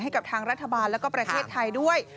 ให้กับทางรัฐบาลแล้วก็ประเทศไทยด้วย